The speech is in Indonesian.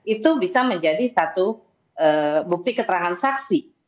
itu bisa menjadi satu bukti keterangan saksi